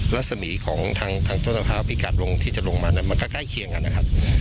และสมีของทางต้นภาพพิกัดลงที่จะลงมามันก็ใกล้เคียงกันนะครับ